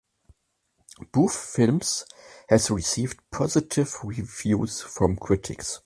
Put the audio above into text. Both films has received positive reviews from critics.